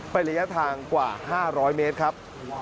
เป็นระยะทางกว่า๕๐๐เมตรครับ